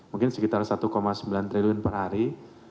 mungkin sekitar satu sembilan triliun per hari